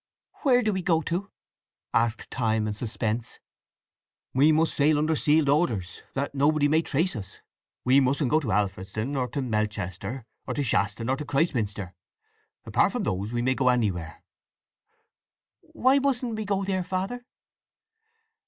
"Where do we go to?" asked Time, in suspense. "We must sail under sealed orders, that nobody may trace us… We mustn't go to Alfredston, or to Melchester, or to Shaston, or to Christminster. Apart from those we may go anywhere." "Why mustn't we go there, Father?"